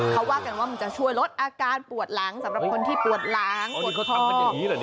เขาว่ากันว่ามันจะช่วยลดอาการปวดหลังสำหรับคนที่ปวดหลังปวดทอม